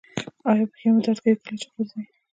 ایا پښې مو درد کوي کله چې ګرځئ؟